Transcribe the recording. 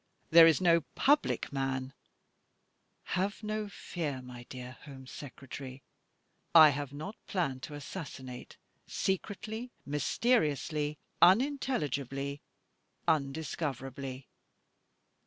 There is no public man — have no fear, my dear Home Secretary — I have not planned to assassinate secretly, mysteriously, unintelligibly, undiscoverably.